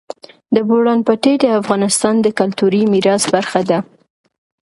د بولان پټي د افغانستان د کلتوري میراث برخه ده.